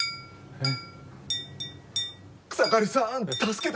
えっ！？